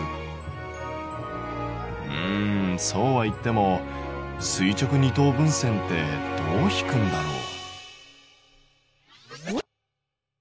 うんそうはいっても垂直二等分線ってどう引くんだろう？